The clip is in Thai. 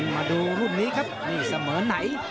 มาดูรุ่นนี้ครับนี่เสมอไหน